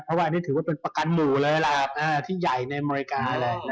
เพราะว่านี่ถือว่าเป็นประกันหมู่เลยอ่ะครับที่ใหญ่ในอเมริกา